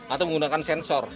atau menggunakan sensor